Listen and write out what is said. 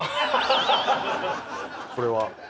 これは。